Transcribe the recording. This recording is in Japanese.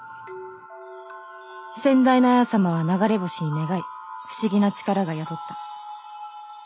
先代の文様は流れ星に願い不思議な力が宿った。